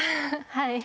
はい。